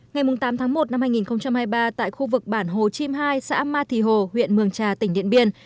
ngày tám tháng một năm hai nghìn hai mươi ba tại khu vực bản hồ chim hai xã ma thì hồ huyện mường trà tỉnh điện biên